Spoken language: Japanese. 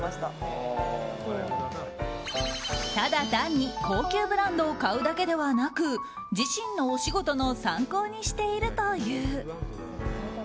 ただ単に高級ブランドを買うだけではなく自身のお仕事の参考にしているという。